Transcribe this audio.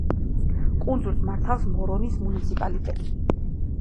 კუნძულს მართავს მორონის მუნიციპალიტეტი.